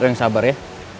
lo yang sabar ya